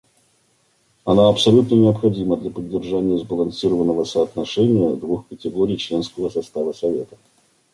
Оно абсолютно необходимо для поддержания сбалансированного соотношения двух категорий членского состава Совета.